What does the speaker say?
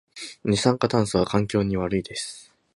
二酸化炭素は環境に悪いです